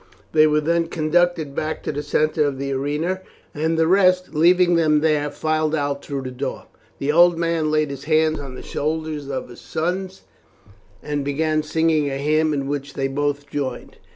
They were then conducted back to the centre of the arena, and the rest, leaving them there, filed out through the door. The old man laid his hands on the shoulders of his sons and began singing a hymn, in which they both joined.